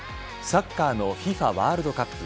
サッカーのＦＩＦＡワールドカップ。